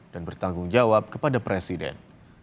dan bertanggung jawab kepada presiden